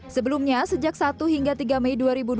sebelumnya sejak satu hingga tiga mei dua ribu dua puluh